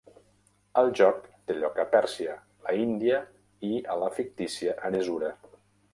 El joc té lloc a Pèrsia, la Índia i a la fictícia Aresura.